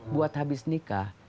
buat habis nikah